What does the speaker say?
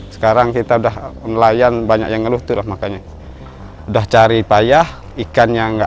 sekarang kita udah nelayan banyak yang ngeluh itulah makanya udah cari payah ikannya enggak